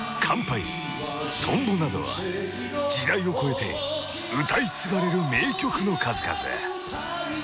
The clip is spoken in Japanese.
［『乾杯』『とんぼ』などは時代を超えて歌い継がれる名曲の数々］